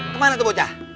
kemana tuh bocah